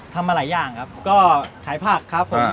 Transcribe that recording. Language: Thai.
ทำมาหลายอย่างครับก็ขายผักครับผม